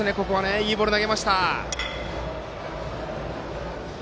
いいボールを投げましたね。